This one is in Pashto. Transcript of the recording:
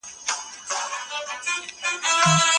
انلاين درسونه زده کوونکي د وخت پلان په دوامداره توګه تعقيبوي.